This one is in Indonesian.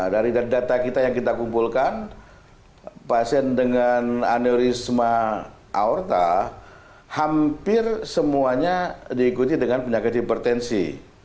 dari data kita yang kita kumpulkan pasien dengan aneurisma aorta hampir semuanya diikuti dengan penyakit hipertensi